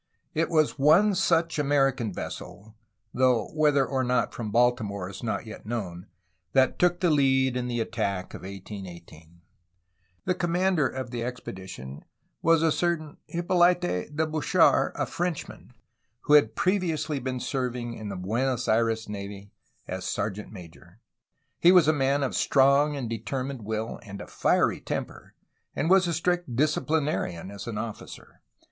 It was one such American vessel, though whether or not from Baltimore is not yet known, that took the lead in the attack of 1818. The commander of the expedition was a certain Hippolyte de Bouchard, a Frenchman, who had previously been serv ing in the Buenos Aires navy as sergeant> major. He was a man of strong and determined will and a fiery temper and was a strict disciplinarian as an officer.